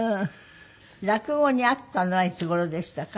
落語に合ったのはいつ頃でしたか？